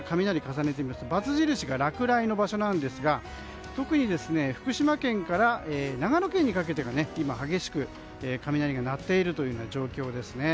バツ印が落雷の場所なんですが特に福島県から長野県にかけて今、激しく雷が鳴っているという状況ですね。